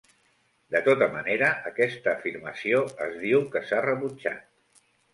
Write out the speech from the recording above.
De tota manera, aquesta afirmació es diu que s'ha rebutjat.